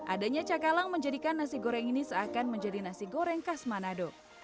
adanya cakalang menjadikan nasi goreng ini seakan menjadi nasi goreng khas manado